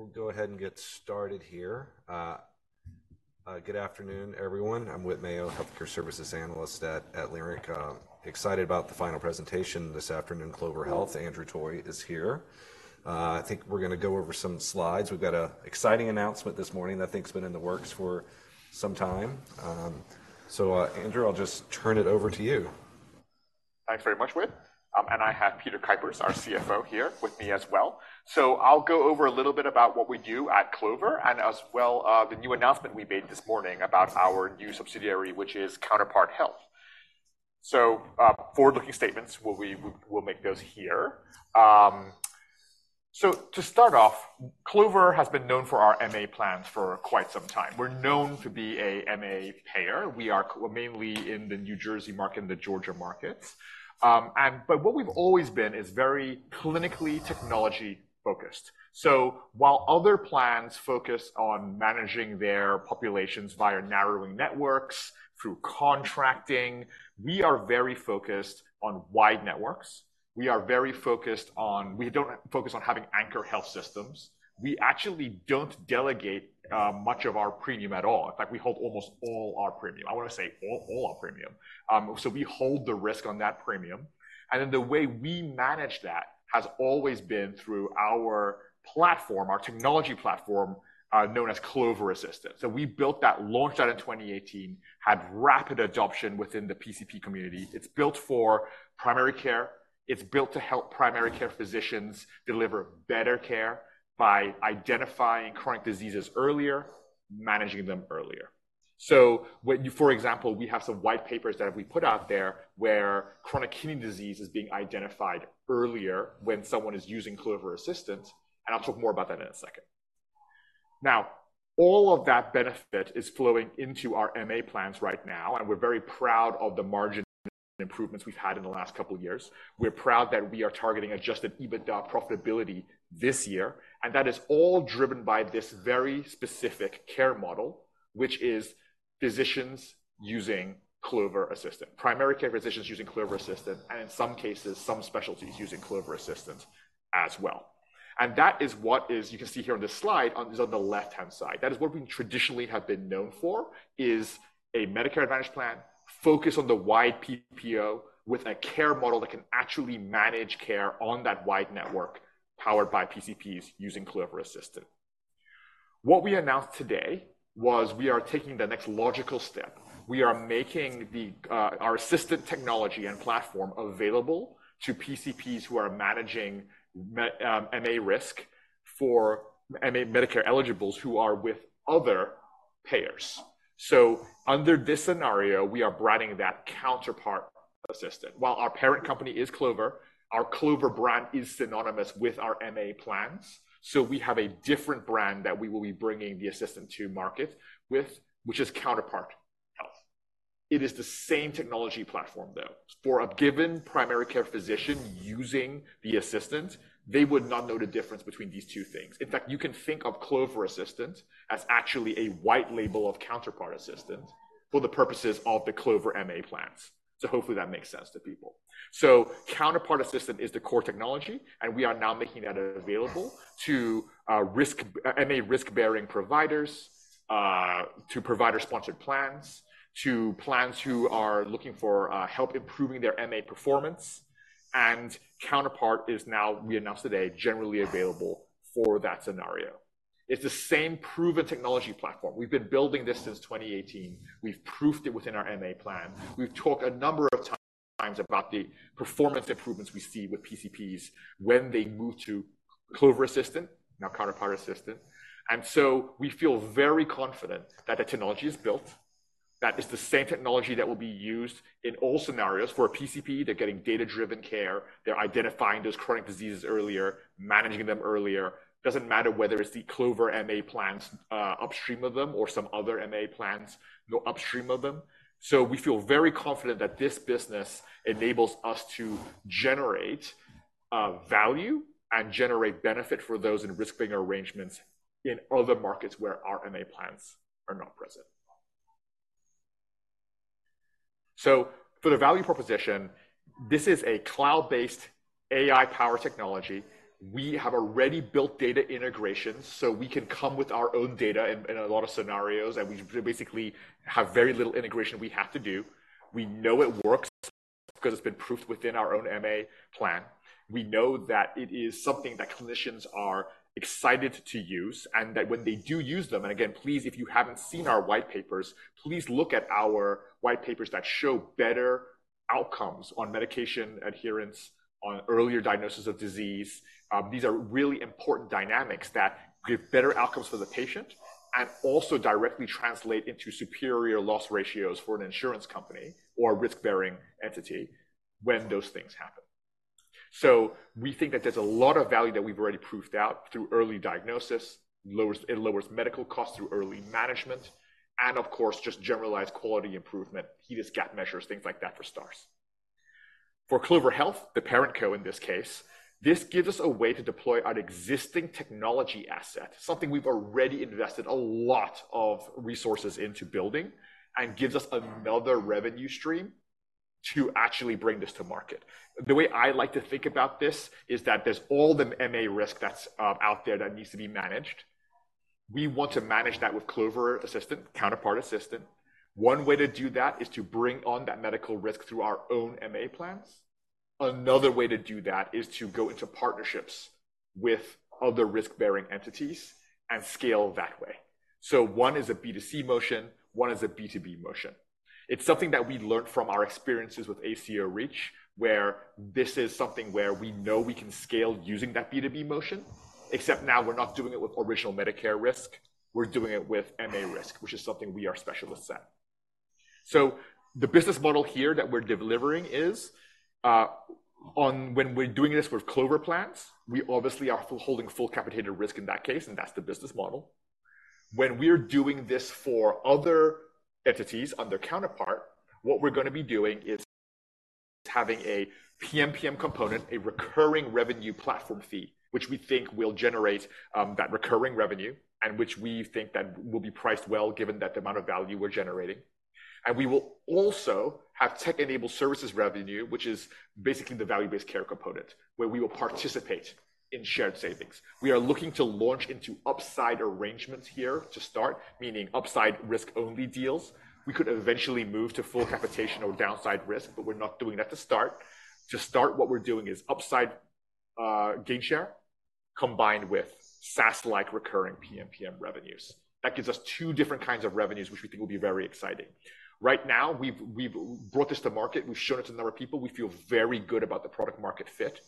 All right. We'll go ahead and get started here. Good afternoon, everyone. I'm Whit Mayo, Healthcare Services Analyst at Leerink Partners. Excited about the final presentation this afternoon, Clover Health. Andrew Toy is here. I think we're gonna go over some slides. We've got an exciting announcement this morning that I think's been in the works for some time. So, Andrew, I'll just turn it over to you. Thanks very much, Whit. And I have Peter Kuipers, our CFO, here with me as well. So I'll go over a little bit about what we do at Clover, and as well, the new announcement we made this morning about our new subsidiary, which is Counterpart Health. So, forward-looking statements, we'll make those here. So to start off, Clover has been known for our MA plans for quite some time. We're known to be a MA payer. We are mainly in the New Jersey market and the Georgia markets. And but what we've always been is very clinically technology-focused. So while other plans focus on managing their populations via narrowing networks, through contracting, we are very focused on wide networks. We are very focused on. We don't focus on having anchor health systems. We actually don't delegate much of our premium at all. In fact, we hold almost all our premium. I want to say all, all our premium. So we hold the risk on that premium, and then the way we manage that has always been through our platform, our technology platform known as Clover Assistant. So we built that, launched that in 2018, had rapid adoption within the PCP community. It's built for primary care. It's built to help primary care physicians deliver better care by identifying chronic diseases earlier, managing them earlier. So when, for example, we have some white papers that we put out there where chronic kidney disease is being identified earlier when someone is using Clover Assistant, and I'll talk more about that in a second. Now, all of that benefit is flowing into our MA plans right now, and we're very proud of the margin improvements we've had in the last couple of years. We're proud that we are targeting Adjusted EBITDA profitability this year, and that is all driven by this very specific care model, which is physicians using Clover Assistant, primary care physicians using Clover Assistant, and in some cases, some specialties using Clover Assistant as well. And that is what you can see here on this slide is on the left-hand side. That is what we traditionally have been known for, is a Medicare Advantage Plan, focus on the wide PPO with a care model that can actually manage care on that wide network powered by PCPs using Clover Assistant. What we announced today was we are taking the next logical step. We are making our assistant technology and platform available to PCPs who are managing MA risk for MA Medicare eligibles who are with other payers. So under this scenario, we are branding that Counterpart Assistant. While our parent company is Clover, our Clover brand is synonymous with our MA plans, so we have a different brand that we will be bringing the assistant to market with, which is Counterpart Health. It is the same technology platform, though. For a given primary care physician using the assistant, they would not know the difference between these two things. In fact, you can think of Clover Assistant as actually a white label of Counterpart Assistant for the purposes of the Clover MA plans. So hopefully that makes sense to people. Counterpart Assistant is the core technology, and we are now making that available to risk MA risk-bearing providers, to provider-sponsored plans, to plans who are looking for help improving their MA performance, and Counterpart is now, we announced today, generally available for that scenario. It's the same proven technology platform. We've been building this since 2018. We've proven it within our MA plan. We've talked a number of times about the performance improvements we see with PCPs when they move to Clover Assistant, now Counterpart Assistant. And so we feel very confident that the technology is built, that it's the same technology that will be used in all scenarios. For a PCP, they're getting data-driven care, they're identifying those chronic diseases earlier, managing them earlier. Doesn't matter whether it's the Clover MA plans, upstream of them or some other MA plans go upstream of them. So we feel very confident that this business enables us to generate, value and generate benefit for those in risk-bearing arrangements in other markets where our MA plans are not present. So for the value proposition, this is a cloud-based AI-powered technology. We have already built data integration, so we can come with our own data in a lot of scenarios, and we basically have very little integration we have to do. We know it works 'cause it's been proofed within our own MA plan. We know that it is something that clinicians are excited to use, and that when they do use them... And again, please, if you haven't seen our white papers, please look at our white papers that show better outcomes on medication adherence, on earlier diagnosis of disease. These are really important dynamics that give better outcomes for the patient and also directly translate into superior loss ratios for an insurance company or a risk-bearing entity when those things happen. So we think that there's a lot of value that we've already proven out through early diagnosis. It lowers medical costs through early management, and of course, just generalized quality improvement, HEDIS gap measures, things like that for stars. For Clover Health, the parent co, in this case, this gives us a way to deploy an existing technology asset, something we've already invested a lot of resources into building, and gives us another revenue stream to actually bring this to market. The way I like to think about this is that there's all the MA risk that's out there that needs to be managed. We want to manage that with Clover Assistant, Counterpart Assistant. One way to do that is to bring on that medical risk through our own MA plans. Another way to do that is to go into partnerships with other risk-bearing entities and scale that way. So one is a B2C motion, one is a B2B motion. It's something that we learned from our experiences with ACO REACH, where this is something where we know we can scale using that B2B motion, except now we're not doing it with original Medicare risk, we're doing it with MA risk, which is something we are specialists at. So the business model here that we're delivering is, on when we're doing this with Clover plans, we obviously are holding full capitated risk in that case, and that's the business model. When we're doing this for other entities on their Counterpart, what we're gonna be doing is having a PMPM component, a recurring revenue platform fee, which we think will generate, that recurring revenue, and which we think that will be priced well, given that the amount of value we're generating. We will also have tech-enabled services revenue, which is basically the value-based care component, where we will participate in shared savings. We are looking to launch into upside arrangements here to start, meaning upside risk-only deals. We could eventually move to full capitation or downside risk, but we're not doing that to start. To start, what we're doing is upside gain share, combined with SaaS-like recurring PMPM revenues. That gives us two different kinds of revenues, which we think will be very exciting. Right now, we've brought this to market, we've shown it to a number of people. We feel very good about the product-market fit.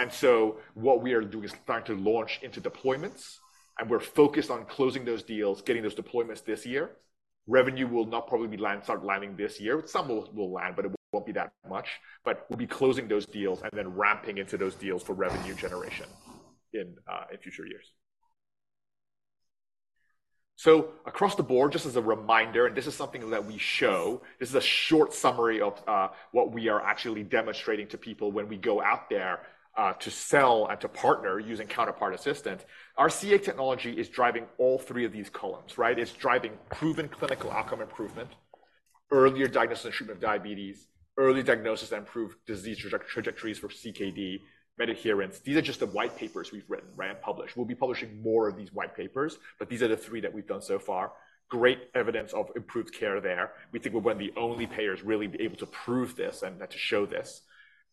And so what we are doing is starting to launch into deployments, and we're focused on closing those deals, getting those deployments this year. Revenue will not probably land, start landing this year. Some will land, but it won't be that much. But we'll be closing those deals and then ramping into those deals for revenue generation in future years. So across the board, just as a reminder, and this is something that we show, this is a short summary of what we are actually demonstrating to people when we go out there to sell and to partner using Counterpart Assistant. Our CA technology is driving all three of these columns, right? It's driving proven clinical outcome improvement, earlier diagnosis and treatment of diabetes, early diagnosis and improved disease trajectories for CKD, med adherence. These are just the white papers we've written and published. We'll be publishing more of these white papers, but these are the three that we've done so far. Great evidence of improved care there. We think we're one of the only payers really able to prove this and then to show this.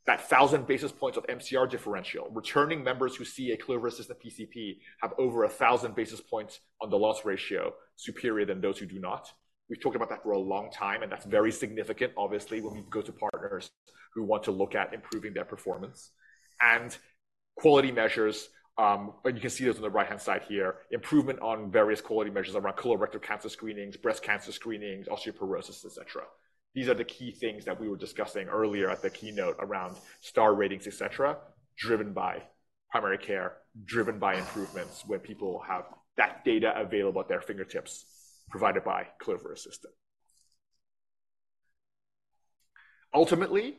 That 1,000 basis points of MCR differential, returning members who see a Clover Assistant PCP have over 1,000 basis points on the loss ratio, superior than those who do not. We've talked about that for a long time, and that's very significant, obviously, when we go to partners who want to look at improving their performance. And quality measures, and you can see those on the right-hand side here, improvement on various quality measures around colorectal cancer screenings, breast cancer screenings, osteoporosis, et cetera. These are the key things that we were discussing earlier at the keynote around Star Ratings, et cetera, driven by primary care, driven by improvements where people have that data available at their fingertips, provided by Clover Assistant. Ultimately,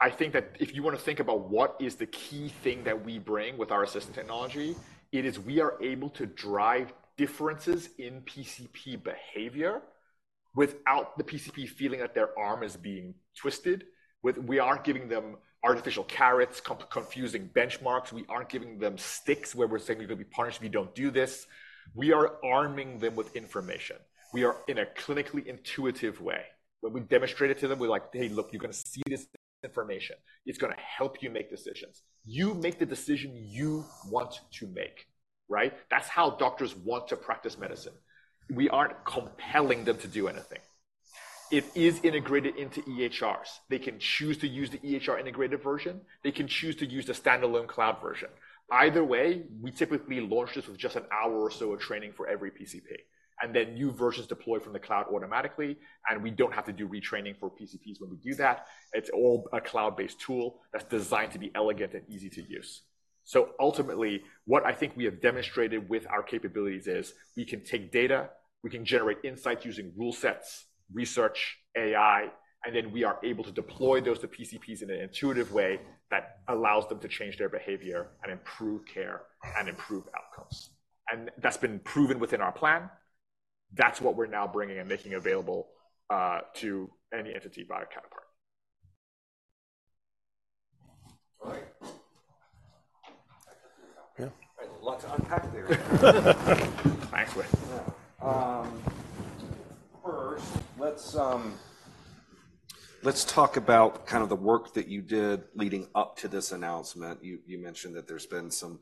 I think that if you want to think about what is the key thing that we bring with our assistant technology, it is we are able to drive differences in PCP behavior without the PCP feeling that their arm is being twisted. We aren't giving them artificial carrots, confusing benchmarks. We aren't giving them sticks, where we're saying, "You're gonna be punished if you don't do this." We are arming them with information. We are in a clinically intuitive way. When we demonstrate it to them, we're like: "Hey, look, you're gonna see this information. It's gonna help you make decisions. You make the decision you want to make," right? That's how doctors want to practice medicine. We aren't compelling them to do anything. It is integrated into EHRs. They can choose to use the EHR integrated version, they can choose to use the standalone cloud version. Either way, we typically launch this with just an hour or so of training for every PCP, and then new versions deploy from the cloud automatically, and we don't have to do retraining for PCPs when we do that. It's all a cloud-based tool that's designed to be elegant and easy to use. So ultimately, what I think we have demonstrated with our capabilities is we can take data, we can generate insights using rule sets, research, AI, and then we are able to deploy those to PCPs in an intuitive way that allows them to change their behavior and improve care and improve outcomes. And that's been proven within our plan. That's what we're now bringing and making available to any entity via Counterpart. All right. Yeah, a lot to unpack there. Thanks. First, let's talk about kind of the work that you did leading up to this announcement. You mentioned that there's been some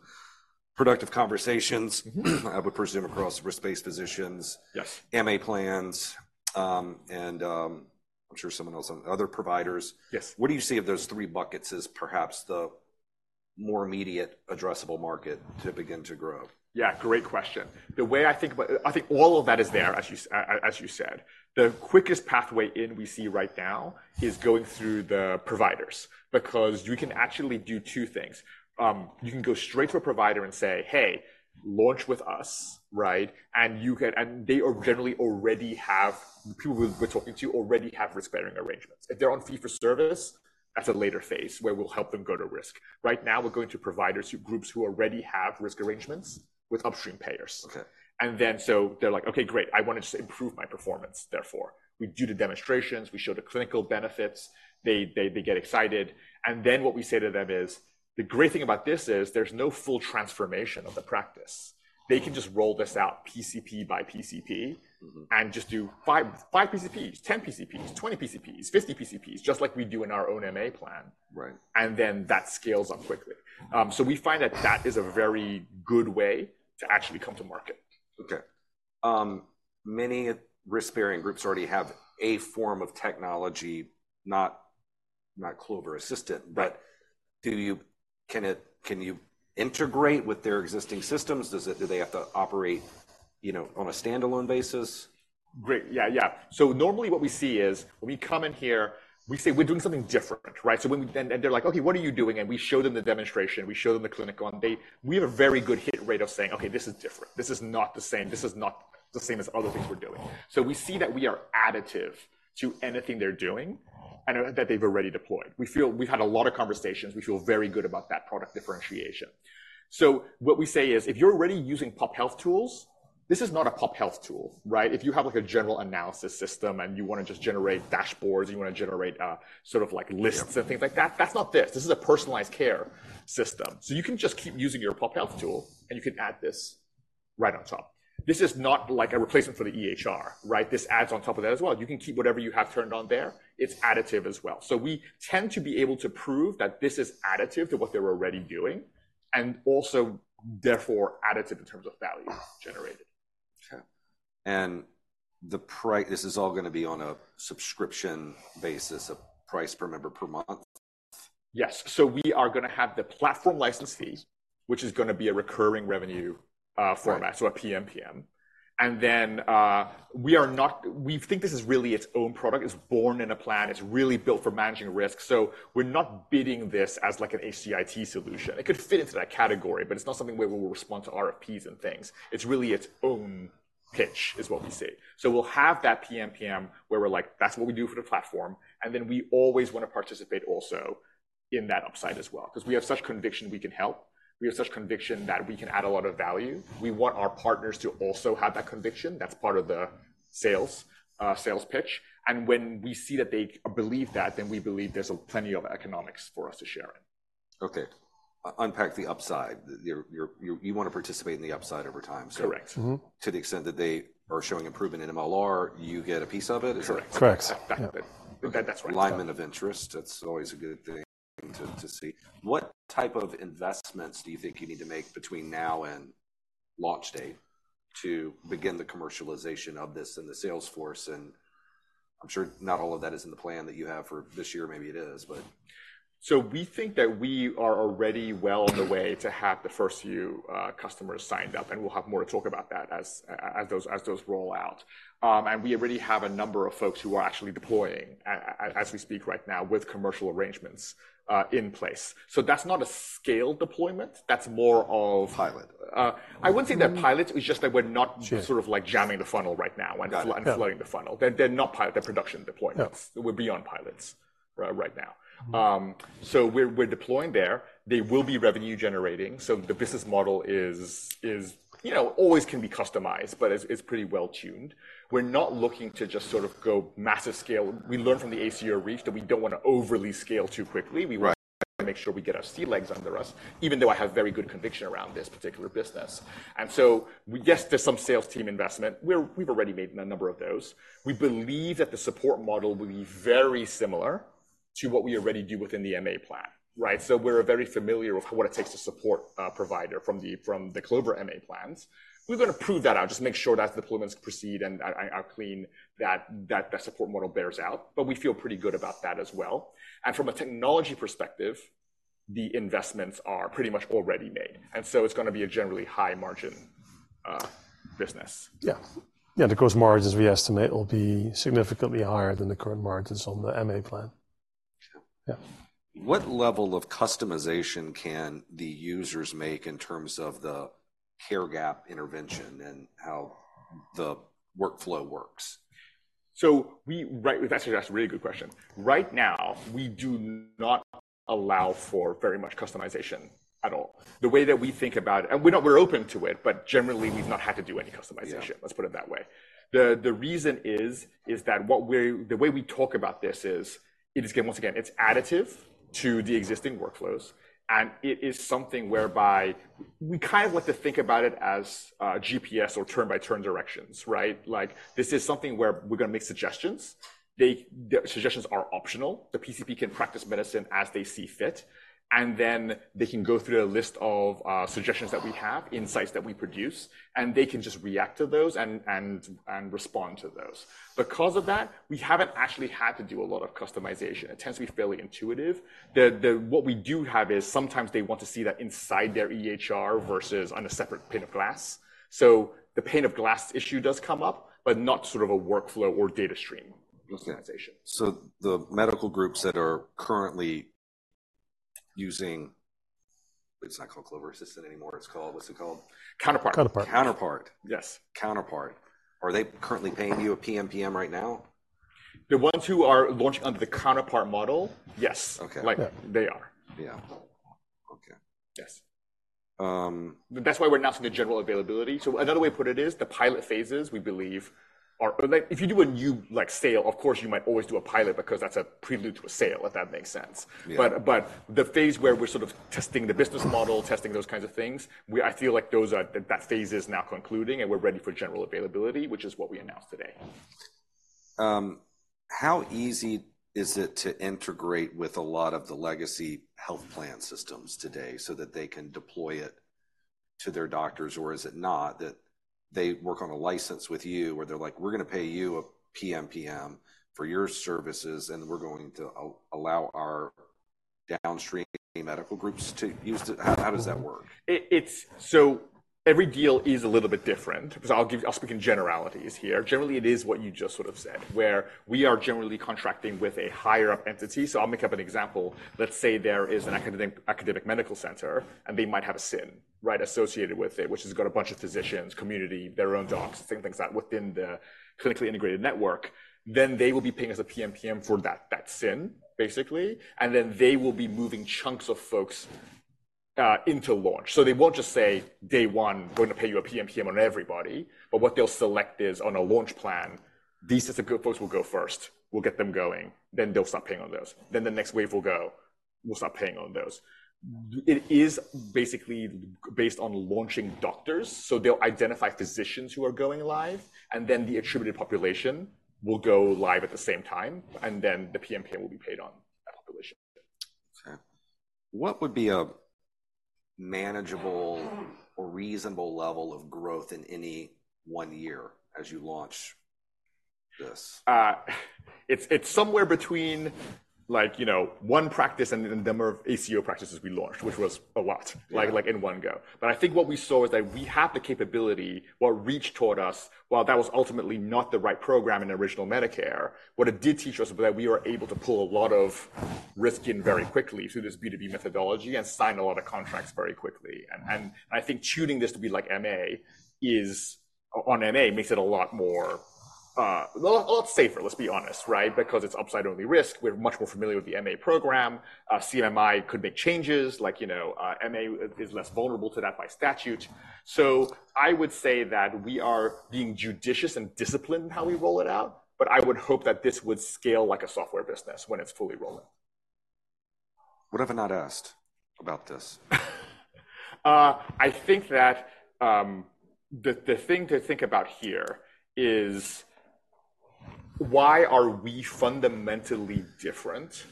productive conversations. Mm-hmm. I would presume, across risk-based positions- Yes. MA plans, and, I'm sure someone else, other providers. Yes. What do you see of those three buckets as perhaps the more immediate addressable market to begin to grow? Yeah, great question. The way I think about, I think all of that is there, as you said. The quickest pathway we see right now is going through the providers, because you can actually do two things. You can go straight to a provider and say, "Hey, launch with us," right? And they are generally already have, the people we're talking to already have risk-bearing arrangements. If they're on fee-for-service at a later phase, where we'll help them go to risk. Right now, we're going to providers, groups who already have risk arrangements with upstream payers. Okay. And then, so they're like: "Okay, great, I want to just improve my performance, therefore." We do the demonstrations, we show the clinical benefits, they get excited, and then what we say to them is, "The great thing about this is, there's no full transformation of the practice. They can just roll this out PCP by PCP- Mm-hmm. and just do 5, 5 PCPs, 10 PCPs, 20 PCPs, 50 PCPs, just like we do in our own MA plan. Right. Then that scales up quickly. So we find that that is a very good way to actually come to market. Okay. Many risk-bearing groups already have a form of technology, not Clover Assistant, but can you integrate with their existing systems? Do they have to operate, you know, on a standalone basis? Great. Yeah, yeah. So normally, what we see is, when we come in here, we say we're doing something different, right? And they're like: "Okay, what are you doing?" And we show them the demonstration, we show them the clinical, and we have a very good hit rate of saying, "Okay, this is different. This is not the same. This is not the same as other things we're doing." So we see that we are additive to anything they're doing and that they've already deployed. We've had a lot of conversations. We feel very good about that product differentiation. So what we say is, if you're already using pop health tools, this is not a pop health tool, right? If you have, like, a general analysis system, and you wanna just generate dashboards, you wanna generate, sort of like lists- Yeah And things like that, that's not this. This is a personalized care system. So you can just keep using your pop health tool, and you can add this right on top. This is not like a replacement for the EHR, right? This adds on top of that as well. You can keep whatever you have turned on there. It's additive as well. So we tend to be able to prove that this is additive to what they're already doing, and also, therefore, additive in terms of value generated. Okay. And this is all gonna be on a subscription basis, a price per member per month? Yes. So we are gonna have the platform license fee, which is gonna be a recurring revenue, format- Right. So a PMPM. And then, we are not-- We think this is really its own product. It's born in a plan. It's really built for managing risk. So we're not bidding this as like an HCIT solution. It could fit into that category, but it's not something where we will respond to RFPs and things. It's really its own pitch, is what we say. So we'll have that PMPM, where we're like, "That's what we do for the platform," and then we always wanna participate also in that upside as well. 'Cause we have such conviction we can help. We have such conviction that we can add a lot of value. We want our partners to also have that conviction. That's part of the sales, sales pitch. And when we see that they believe that, then we believe there's plenty of economics for us to share in. Okay. Unpack the upside. You're, you wanna participate in the upside over time, so- Correct. Mm-hmm. To the extent that they are showing improvement in MLR, you get a piece of it? Correct. Correct. That, that's right. Alignment of interest, that's always a good thing to, to see. What type of investments do you think you need to make between now and launch date to begin the commercialization of this in the sales force? And I'm sure not all of that is in the plan that you have for this year. Maybe it is, but... We think that we are already well on the way to have the first few customers signed up, and we'll have more to talk about that as those roll out. We already have a number of folks who are actually deploying, as we speak right now, with commercial arrangements in place. That's not a scaled deployment, that's more of- Pilot. I wouldn't say they're pilots, it's just that we're not- Sure sort of, like, jamming the funnel right now Got it. and flooding the funnel. They're not pilot, they're production deployments. Yeah. We're beyond pilots right now. Mm-hmm. So we're deploying there. They will be revenue-generating, so the business model is, you know, always can be customized, but it's pretty well-tuned. We're not looking to just sort of go massive scale. We learned from the ACO REACH that we don't wanna overly scale too quickly. Right. We wanna make sure we get our sea legs under us, even though I have very good conviction around this particular business. And so, yes, there's some sales team investment, where we've already made a number of those. We believe that the support model will be very similar to what we already do within the MA plan, right? So we're very familiar with what it takes to support a provider from the Clover MA plans. We're gonna prove that out, just make sure that deployments proceed and are clean, that the support model bears out, but we feel pretty good about that as well. And from a technology perspective, the investments are pretty much already made, and so it's gonna be a generally high-margin business. Yeah. Yeah, the gross margins we estimate will be significantly higher than the current margins on the MA plan. Sure. Yeah. What level of customization can the users make in terms of the care gap intervention and how the workflow works? Right, that's actually a really good question. Right now, we do not allow for very much customization at all. The way that we think about, and we're not, we're open to it, but generally, we've not had to do any customization. Yeah. Let's put it that way. The reason is that the way we talk about this is, it is, once again, it's additive to the existing workflows, and it is something whereby we kind of like to think about it as GPS or turn-by-turn directions, right? Like, this is something where we're gonna make suggestions. The suggestions are optional. The PCP can practice medicine as they see fit, and then they can go through a list of suggestions that we have, insights that we produce, and they can just react to those and respond to those. Because of that, we haven't actually had to do a lot of customization. It tends to be fairly intuitive. What we do have is sometimes they want to see that inside their EHR versus on a separate pane of glass. The pane of glass issue does come up, but not sort of a workflow or data stream customization. So the medical groups that are currently using, it's not called Clover Assistant anymore, it's called, what's it called? Counterpart. Counterpart. Counterpart. Yes. Counterpart. Are they currently paying you a PMPM right now? The ones who are launched under the Counterpart model? Yes. Okay. Like, they are. Yeah. Okay. Yes. Um- That's why we're announcing the general availability. So another way to put it is, the pilot phases, we believe, are. If you do a new, like, sale, of course, you might always do a pilot because that's a prelude to a sale, if that makes sense. Yeah. But the phase where we're sort of testing the business model, testing those kinds of things, I feel like that phase is now concluding, and we're ready for general availability, which is what we announced today. How easy is it to integrate with a lot of the legacy health plan systems today so that they can deploy it to their doctors, or is it not, that they work on a license with you, where they're like: "We're gonna pay you a PMPM for your services, and we're going to allow our downstream medical groups to use it?" How does that work? So every deal is a little bit different. So I'll speak in generalities here. Generally, it is what you just sort of said, where we are generally contracting with a higher-up entity. So I'll make up an example. Let's say there is an academic medical center, and they might have a CIN, right, associated with it, which has got a bunch of physicians, community, their own docs, and things like that within the clinically integrated network. Then they will be paying us a PMPM for that CIN, basically, and then they will be moving chunks of folks into launch. So they won't just say, day one, we're going to pay you a PMPM on everybody, but what they'll select is on a launch plan, these are the group of folks will go first. We'll get them going, then they'll start paying on those. Then the next wave will go, we'll start paying on those. It is basically based on launching doctors, so they'll identify physicians who are going live, and then the attributed population will go live at the same time, and then the PMPM will be paid on that population. Okay. What would be a manageable or reasonable level of growth in any one year as you launch this? It's somewhere between, like, you know, one practice and the number of ACO practices we launched, which was a lot- Yeah... like in one go. But I think what we saw is that we have the capability. What Reach taught us, while that was ultimately not the right program in original Medicare, what it did teach us was that we were able to pull a lot of risk in very quickly through this B2B methodology and sign a lot of contracts very quickly. Mm-hmm. I think tuning this to be like MA is, on MA, makes it a lot more, a lot, a lot safer, let's be honest, right? Because it's upside-only risk. We're much more familiar with the MA program. CMS could make changes, like, you know, MA is less vulnerable to that by statute. So I would say that we are being judicious and disciplined in how we roll it out, but I would hope that this would scale like a software business when it's fully rolling. What have I not asked about this? I think that the thing to think about here is: why are we fundamentally different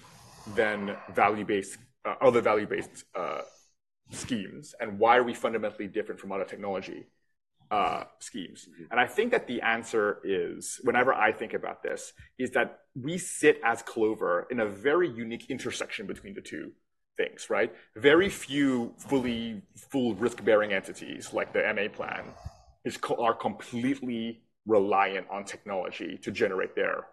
than value-based other value-based schemes? And why are we fundamentally different from other technology schemes? Mm-hmm. I think that the answer is, whenever I think about this, is that we sit as Clover in a very unique intersection between the two things, right? Very few full risk-bearing entities, like the MA plan, are completely reliant on technology to generate their...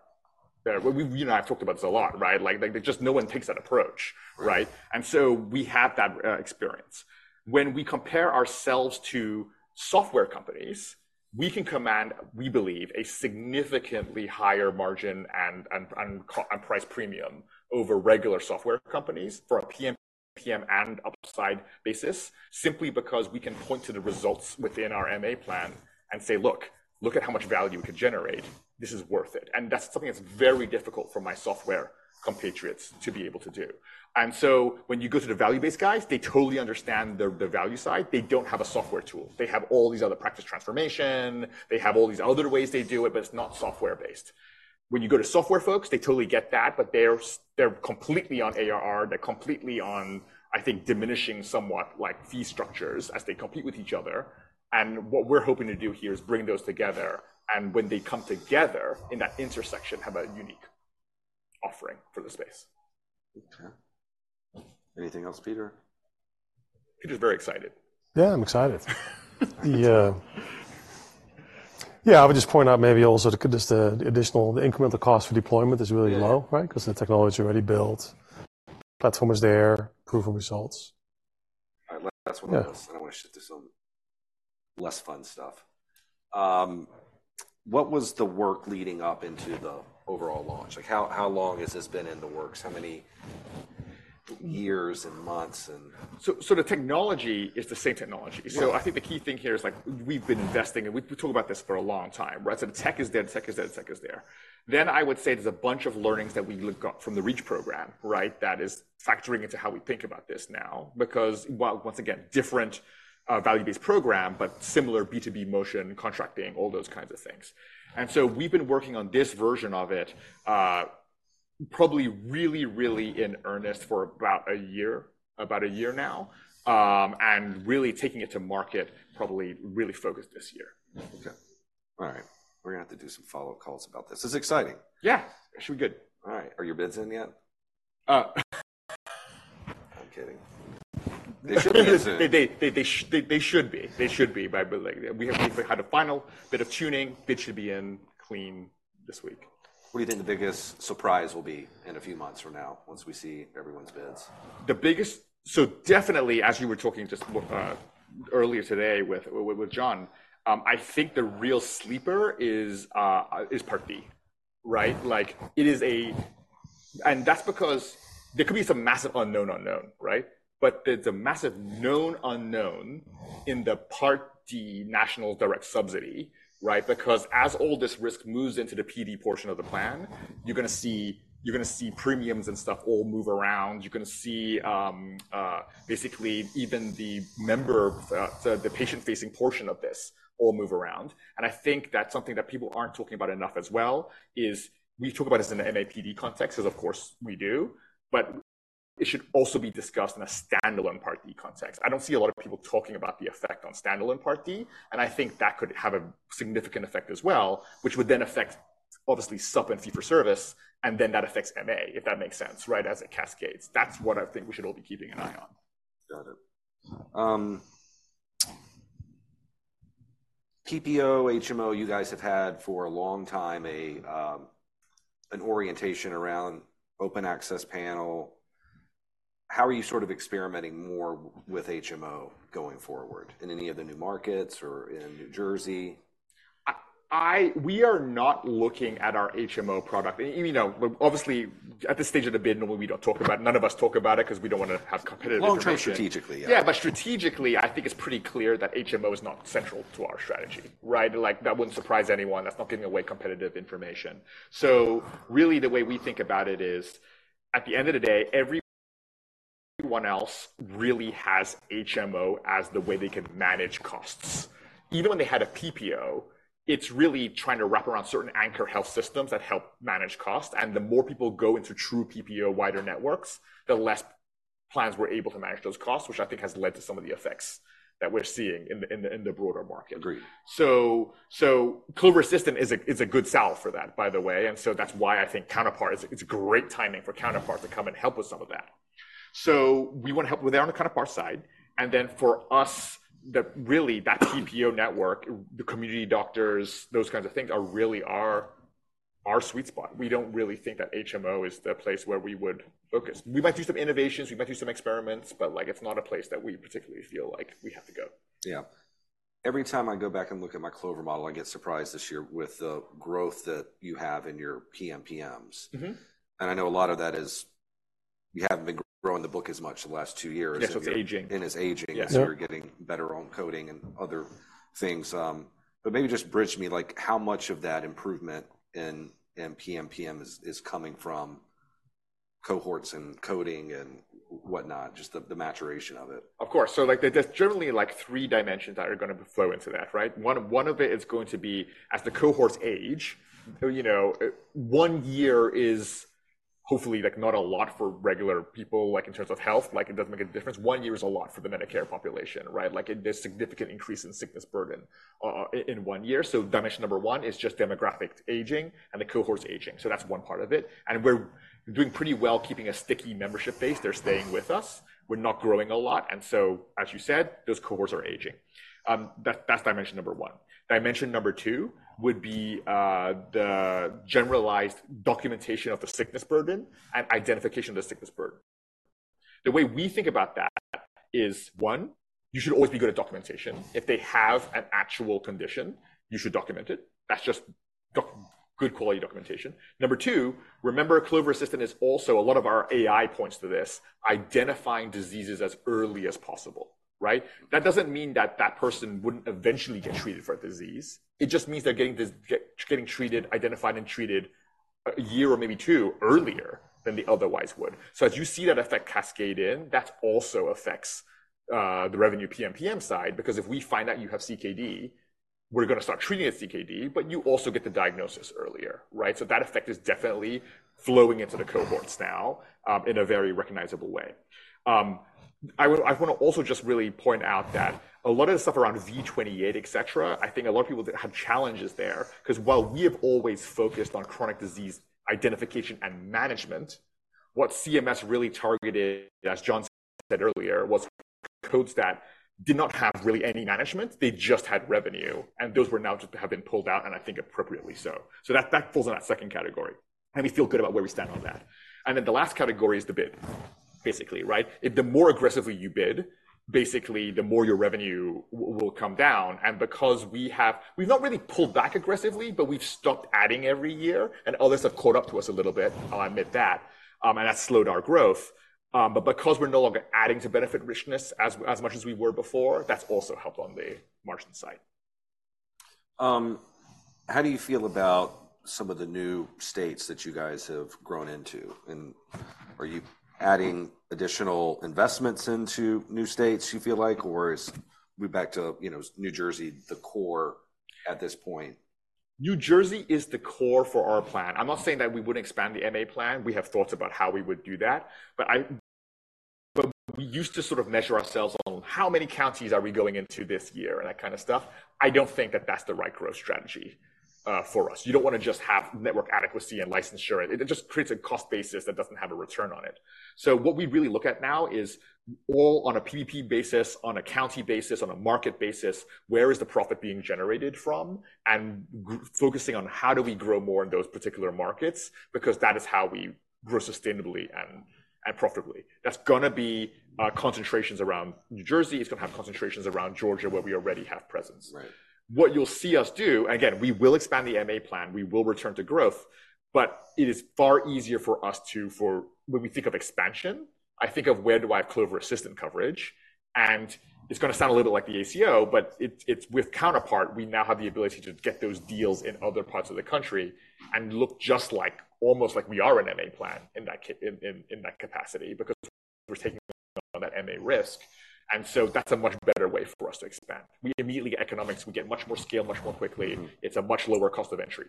We, you and I have talked about this a lot, right? Like, just no one takes that approach, right? Right. And so we have that experience. When we compare ourselves to software companies, we can command, we believe, a significantly higher margin and price premium over regular software companies for a PMPM and upside basis, simply because we can point to the results within our MA plan and say: "Look, look at how much value we can generate. This is worth it." And that's something that's very difficult for my software compatriots to be able to do. And so when you go to the value-based guys, they totally understand the value side. They don't have a software tool. They have all these other practice transformation, they have all these other ways they do it, but it's not software-based. When you go to software folks, they totally get that, but they're completely on ARR, they're completely on, I think, diminishing somewhat like fee structures as they compete with each other. And what we're hoping to do here is bring those together, and when they come together in that intersection, have a unique offering for the space. Okay. Anything else, Peter? Peter's very excited. Yeah, I'm excited. Yeah, I would just point out maybe also the, just the additional, the incremental cost for deployment is really low- Yeah... right? Because the technology is already built, platform is there, proven results. All right, last one- Yeah. I want to shift to some less fun stuff. What was the work leading up into the overall launch? Like, how long has this been in the works? How many years and months and- So, the technology is the same technology. Yeah. So I think the key thing here is, like, we've been investing, and we've been talking about this for a long time, right? So the tech is there, tech is there, tech is there. Then I would say there's a bunch of learnings that we got from the Reach program, right, that is factoring into how we think about this now, because, well, once again, different, value-based program, but similar B2B motion, contracting, all those kinds of things. And so we've been working on this version of it, probably really, really in earnest for about a year, about a year now, and really taking it to market, probably really focused this year. Okay. All right. We're gonna have to do some follow-up calls about this. This is exciting. Yeah, should be good. All right. Are your bids in yet? Uh, I'm kidding.... They should be. They should be, but like, we have, we've had a final bit of tuning. It should be in clean this week. What do you think the biggest surprise will be in a few months from now, once we see everyone's bids? So definitely, as you were talking just earlier today with John, I think the real sleeper is Part D, right? Like, it is a... And that's because there could be some massive unknown unknown, right? But there's a massive known unknown in the Part D national direct subsidy, right? Because as all this risk moves into the PD portion of the plan, you're gonna see, you're gonna see premiums and stuff all move around. You're gonna see basically, even the member the patient-facing portion of this all move around. And I think that's something that people aren't talking about enough as well, is we talk about it as an MAPD context, as of course we do, but it should also be discussed in a standalone Part D context. I don't see a lot of people talking about the effect on standalone Part D, and I think that could have a significant effect as well, which would then affect, obviously, sub and fee-for-service, and then that affects MA, if that makes sense, right? As it cascades. That's what I think we should all be keeping an eye on. Got it. PPO, HMO, you guys have had for a long time, an orientation around open access panel. How are you sort of experimenting more with HMO going forward in any of the new markets or in New Jersey? We are not looking at our HMO product. You know, obviously, at this stage of the bid, normally, we don't talk about it, none of us talk about it 'cause we don't want to have competitive information. Long-term strategically, yeah. Yeah, but strategically, I think it's pretty clear that HMO is not central to our strategy, right? Like, that wouldn't surprise anyone. That's not giving away competitive information. So really, the way we think about it is, at the end of the day, everyone else really has HMO as the way they could manage costs. Even when they had a PPO, it's really trying to wrap around certain anchor health systems that help manage costs, and the more people go into true PPO wider networks, the less plans we're able to manage those costs, which I think has led to some of the effects that we're seeing in the broader market. Agreed. So, Clover Assistant is a good sell for that, by the way, and so that's why I think Counterpart, it's great timing for Counterpart to come and help with some of that. So we want to help with that on the Counterpart side, and then for us, really, that PPO network, the community doctors, those kinds of things are really our sweet spot. We don't really think that HMO is the place where we would focus. We might do some innovations, we might do some experiments, but, like, it's not a place that we particularly feel like we have to go. Yeah. Every time I go back and look at my Clover model, I get surprised this year with the growth that you have in your PMPMs. Mm-hmm. I know a lot of that is you haven't been growing the book as much the last two years. Yeah, so it's aging. And it's aging- Yeah. So you're getting better on coding and other things. But maybe just bridge me, like, how much of that improvement in PMPM is coming from cohorts and coding and whatnot, just the maturation of it? Of course. So, like, there's generally, like, three dimensions that are gonna flow into that, right? One, one of it is going to be as the cohorts age, you know, one year is hopefully, like, not a lot for regular people, like, in terms of health, like, it doesn't make a difference. One year is a lot for the Medicare population, right? Like, there's significant increase in sickness burden in one year. So dimension number one is just demographic aging and the cohorts aging, so that's one part of it. And we're doing pretty well keeping a sticky membership base. They're staying with us. We're not growing a lot, and so as you said, those cohorts are aging. That, that's dimension number one. Dimension number two would be, the generalized documentation of the sickness burden and identification of the sickness burden. The way we think about that is, one, you should always be good at documentation. If they have an actual condition, you should document it. That's just good quality documentation. Number two, remember, Clover Assistant is also, a lot of our AI points to this, identifying diseases as early as possible, right? That doesn't mean that that person wouldn't eventually get treated for a disease. It just means they're getting this, getting treated, identified and treated a year or maybe two earlier than they otherwise would. So as you see that effect cascade in, that also affects the revenue PMPM side, because if we find out you have CKD, we're gonna start treating the CKD, but you also get the diagnosis earlier, right? So that effect is definitely flowing into the cohorts now, in a very recognizable way. I want to also just really point out that a lot of the stuff around V28, et cetera, I think a lot of people have challenges there, 'cause while we have always focused on chronic disease identification and management, what CMS really targeted, as John said earlier, was codes that did not have really any management. They just had revenue, and those were now just have been pulled out, and I think appropriately so. So that falls in that second category, and we feel good about where we stand on that. And then the last category is the bid, basically, right? If the more aggressively you bid, basically, the more your revenue will come down, and because we have... We've not really pulled back aggressively, but we've stopped adding every year, and others have caught up to us a little bit, I'll admit that, and that slowed our growth. But because we're no longer adding to benefit richness as much as we were before, that's also helped on the margin side. How do you feel about some of the new states that you guys have grown into? And are you adding additional investments into new states, you feel like, or is we back to, you know, New Jersey, the core at this point? New Jersey is the core for our plan. I'm not saying that we wouldn't expand the MA plan. We have thoughts about how we would do that, but we used to sort of measure ourselves on how many counties are we going into this year, and that kind of stuff. I don't think that that's the right growth strategy, for us. You don't want to just have network adequacy and licensure. It just creates a cost basis that doesn't have a return on it. So what we really look at now is all on a PBP basis, on a county basis, on a market basis, where is the profit being generated from? And focusing on how do we grow more in those particular markets, because that is how we grow sustainably and profitably. That's gonna be concentrations around New Jersey. It's gonna have concentrations around Georgia, where we already have presence. Right. What you'll see us do, again, we will expand the MA plan, we will return to growth, but it is far easier for us to, when we think of expansion, I think of where do I have Clover Assistant coverage? And it's gonna sound a little bit like the ACO, but it's with Counterpart, we now have the ability to get those deals in other parts of the country and look just like, almost like we are an MA plan in that capacity, because we're taking on that MA risk, and so that's a much better way for us to expand. We immediately, economics, we get much more scale, much more quickly. Mm-hmm. It's a much lower cost of entry.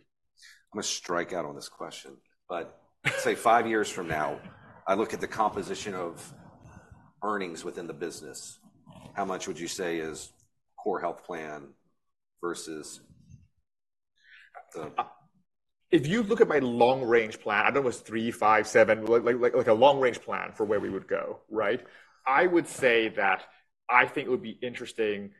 I'm gonna strike out on this question, but say, five years from now, I look at the composition of earnings within the business, how much would you say is core health plan versus the- If you look at my long-range plan, I don't know if it's 3, 5, 7, like a long-range plan for where we would go, right? I would say that I think it would be interesting,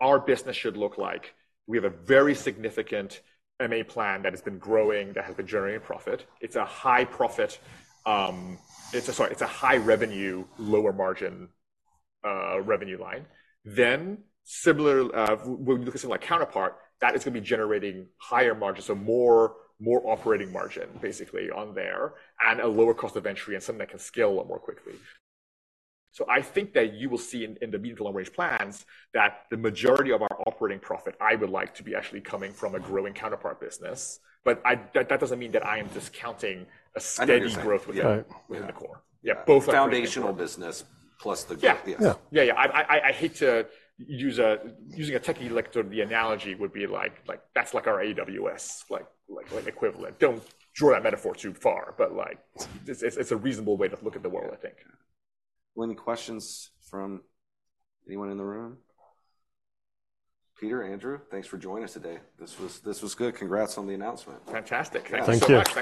our business should look like we have a very significant MA plan that has been growing, that has been generating a profit. It's a high profit. It's a, sorry, it's a high revenue, lower margin, revenue line. Then, similar, when we look at something like Counterpart, that is going to be generating higher margins, so more, more operating margin, basically, on there, and a lower cost of entry, and something that can scale a lot more quickly. So I think that you will see in the medium- to long-range plans, that the majority of our operating profit I would like to be actually coming from a growing counterpart business. But that doesn't mean that I am discounting a steady growth- I understand. -within the core. Yeah. Yeah, both- Foundational business plus the- Yeah. Yeah. Yeah. Yeah, yeah. I hate to use a, using a techie like sort of the analogy would be like, like, that's like our AWS, like, like, like equivalent. Don't draw that metaphor too far, but like, it's, it's, it's a reasonable way to look at the world, I think. Yeah. Any questions from anyone in the room? Peter, Andrew, thanks for joining us today. This was, this was good. Congrats on the announcement. Fantastic. Thank you.